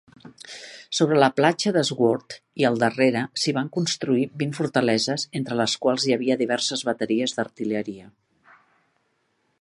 Sobre la platja de Sword i al darrera s'hi van construir vint fortaleses, entre les quals hi havia diverses bateries d'artilleria.